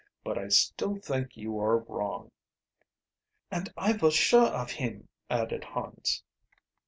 "But I still think you are wrong." "And I vos sure of him," added Hans.